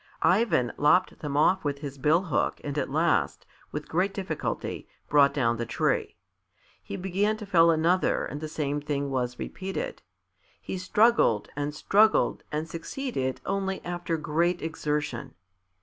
Ivan lopped them off with his bill hook and at last, with great difficulty, brought down the tree. He began to fell another and the same thing was repeated. He struggled and struggled and succeeded only after great exertion.